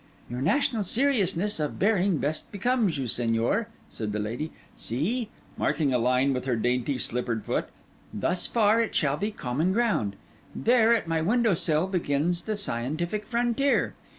'Your national seriousness of bearing best becomes you, Señor,' said the lady. 'See!' marking a line with her dainty, slippered foot, 'thus far it shall be common ground; there, at my window sill, begins the scientific frontier.